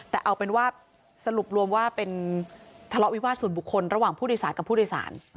แต่เอาเป็นว่าสรุปรวมว่าเป็นทะเลาะวิวาสส่วนบุคคลระหว่างผู้โดยสารกับผู้โดยสาร